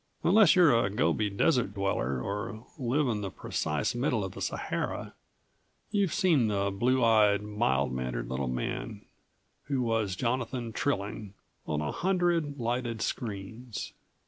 Unless you're a Gobi desert dweller or live in the precise middle of the Sahara you've seen the blue eyed, mild mannered little man who was Jonathan Trilling on a hundred lighted screens.